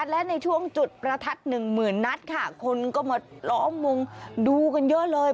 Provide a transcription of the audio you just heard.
และในช่วงจุดประทัดหนึ่งหมื่นนัดค่ะคนก็มาล้อมวงดูกันเยอะเลย